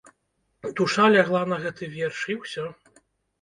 Душа лягла на гэты верш, і ўсё.